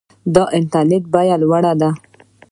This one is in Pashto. د انټرنیټ بیه لوړه ده؟